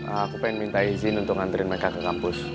aku pengen minta izin untuk nganterin meka ke kampus